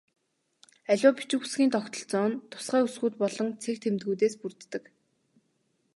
Аливаа бичиг үсгийн тогтолцоо нь тусгай үсгүүд болон цэг тэмдэгтүүдээс бүрддэг.